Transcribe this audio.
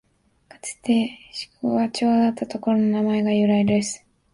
かつて宿場町だったことが名前の由来です